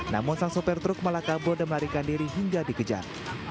namun sang sopir truk malah kabur dan melarikan diri hingga dikejar